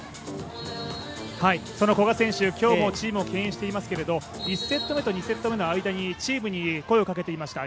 古賀選手、今日もチームを牽引していますけれども、１セット目と２セット目の間にチームに声をかけていました。